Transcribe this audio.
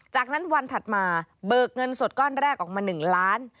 จากนั้นวันถัดมาเบิกเงินสดก้อนแรกออกมา๑ล้าน